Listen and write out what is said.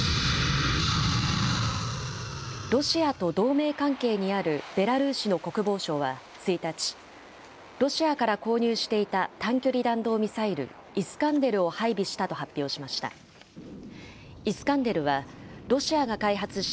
ロシアと同盟関係にあるベラルーシの国防省は１日、ロシアから購入していた短距離弾道ミサイル、イスカンデルを配備したと発表しました。